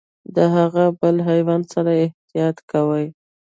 د هغه بل حیوان سره احتياط کوئ .